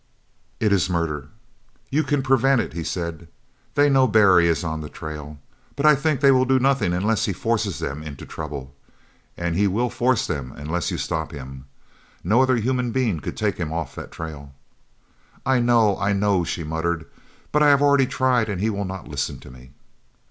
"It is murder!" "You can prevent it," he said. "They know Barry is on the trail, but I think they will do nothing unless he forces them into trouble. And he will force them unless you stop him. No other human being could take him off that trail." "I know! I know!" she muttered. "But I have already tried, and he will not listen to me!"